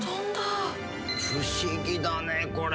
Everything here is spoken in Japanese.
不思議だねこれ。